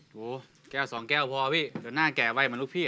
โหแก้วสองแก้วพอพี่เดี๋ยวหน้าแก่ไว้เหมือนลูกพี่